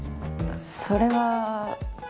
それは。